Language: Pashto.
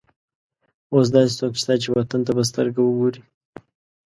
اوس داسې څوک شته چې وطن ته په سترګه وګوري.